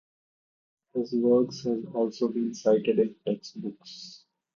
His work has also been cited in textbooks.